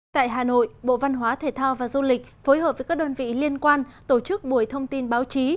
tại hà nội bộ văn hóa thể thao và du lịch phối hợp với các đơn vị liên quan tổ chức buổi thông tin báo chí